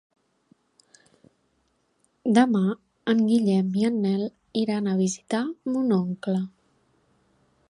Demà en Guillem i en Nel iran a visitar mon oncle.